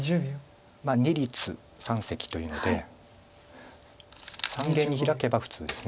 二立三析というので三間にヒラけば普通です。